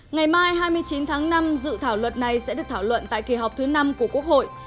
ngày mai hai mươi chín tháng năm dự thảo luật này sẽ được thảo luận tại kỳ họp thứ năm của quốc hội